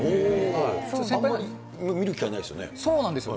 あんまり見る機会ないですよね。